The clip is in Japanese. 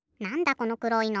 このくろいの。